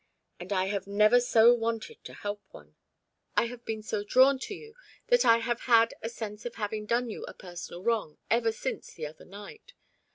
And I have never so wanted to help one. I have been so drawn to you that I have had a sense of having done you a personal wrong ever since the other night.